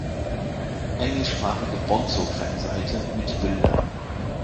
Englischsprachige Bonzo-Fanseite mit Bildern.